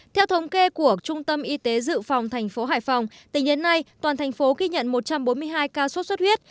theo thống kê của trung tâm y tế dự phòng tp hcm tỉnh đến nay toàn thành phố ghi nhận một trăm bốn mươi hai ca xuất xuất huyết